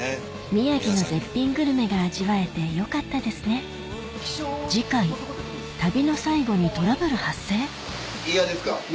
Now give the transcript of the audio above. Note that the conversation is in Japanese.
宮城の絶品グルメが味わえてよかったですね嫌ですか？